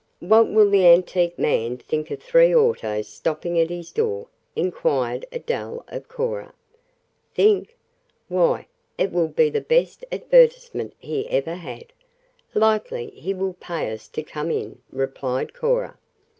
"What will the antique man think of three autos stopping at his door?" inquired Adele of Cora. "Think? Why, it will be the best advertisement he ever had. Likely he will pay us to come again," replied Cora.